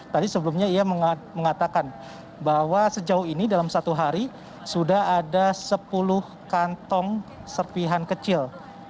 tadi sebelumnya ia mengatakan bahwa sejauh ini dalam satu hari sudah ada sepuluh kantong serpihan kecil